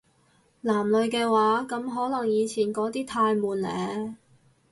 男女嘅話，噉可能以前嗰啲太悶呢